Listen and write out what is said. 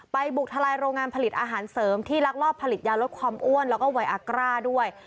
บุกทลายโรงงานผลิตอาหารเสริมที่ลักลอบผลิตยาลดความอ้วนแล้วก็ไวอากร่าด้วย